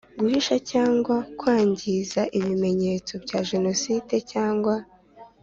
guhisha cyangwa kwangiza ibimenyetso bya Jenoside cyangwa